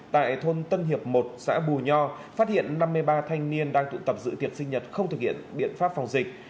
tại thôn tân hiệp một xã bù nho phát hiện năm mươi ba thanh niên đang tụ tập dự tiệt sinh nhật không thực hiện biện pháp phòng dịch